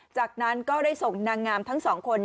จากนั้นก็ได้ส่งนางงามทั้งสองคน